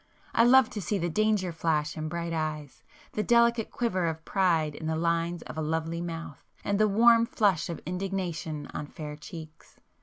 I love to see the danger flash in bright eyes,—the delicate quiver of pride in the lines of a lovely mouth, and the warm flush of indignation on fair cheeks.